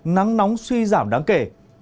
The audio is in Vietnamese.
nắng nóng suy giảm đáng kể